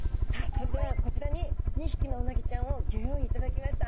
それではこちらに２匹のうなぎちゃんをギョ用意いただきました。